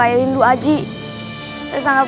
jangan lupa tentang diri